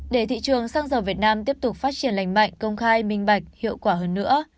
để thị trường xăng dầu việt nam tiếp tục phát triển lành mạnh công khai minh bạch hiệu quả hơn nữa